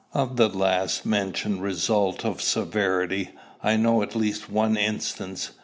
Of the last mentioned result of severity, I know at least one instance.